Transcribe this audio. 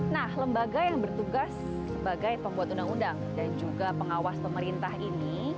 nah lembaga yang bertugas sebagai pembuat undang undang dan juga pengawas pemerintah ini